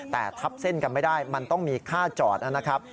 แต่ทับเส้นกันไม่ได้มันต้องมีค่าจอดนะครับ